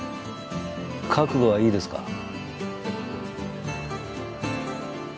覚悟はいいですか？